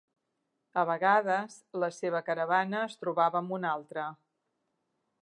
A vegades, la seva caravana es trobava amb una altra.